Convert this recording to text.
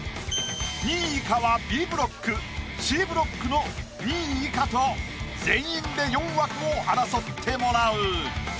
２位以下はＢブロックＣブロックの２位以下と全員で４枠を争ってもらう。